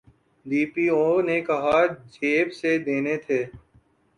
D P O نے کہاں جیب سے دینے تھے۔